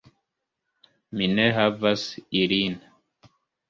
Mi ne havas ilin.